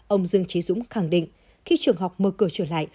ông dương trí dũng khẳng định khi trường học mở cửa trở lại